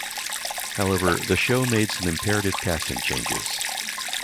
However, the show made some imperative casting changes.